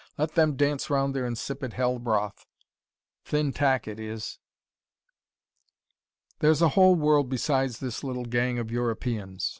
Let them dance round their insipid hell broth. Thin tack it is. "There's a whole world besides this little gang of Europeans.